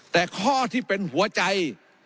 แต่ข้อที่เป็นหัวใจ